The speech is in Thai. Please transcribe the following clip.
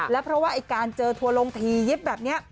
แล้วเพราะว่าการเจอทัวรงทียิบแบบนี้